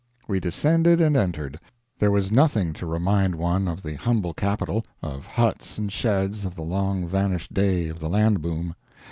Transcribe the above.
We descended and entered. There was nothing to remind one of the humble capital, of huts and sheds of the long vanished day of the land boom.